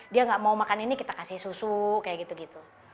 dia tidak mau makan ini kita kasih susu seperti itu